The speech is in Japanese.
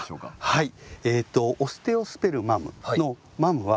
はい。